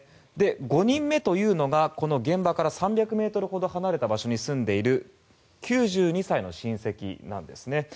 ５人目というのが現場から３００ｍほど離れた場所に住んでいる９２歳の親戚なんですね。